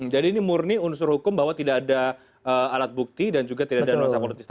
jadi ini murni unsur hukum bahwa tidak ada alat bukti dan juga tidak ada nuansa politis